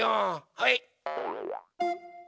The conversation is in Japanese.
はい！